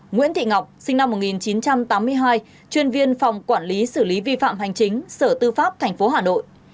nguyễn thị ngọc sinh năm một nghìn chín trăm tám mươi hai chuyên viên phòng quản lý xử lý vi phạm hành chính sở tư pháp tp hà nội